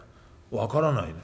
分からないね。